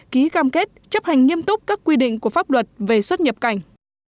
ký cam kết chấp hành nghiêm túc các quy định của pháp luật về xuất nhập cảnh